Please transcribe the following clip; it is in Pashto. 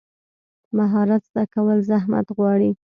مهارت زده کول زحمت غواړي.